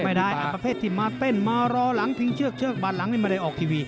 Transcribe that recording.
ไม่ได้ประเทศที่มาเต้นมารอหลังพิ่งเชือกบาดหลังไม่ได้ออกทีวี